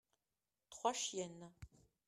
trois chiennes.